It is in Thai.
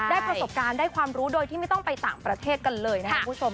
ประสบการณ์ได้ความรู้โดยที่ไม่ต้องไปต่างประเทศกันเลยนะครับคุณผู้ชม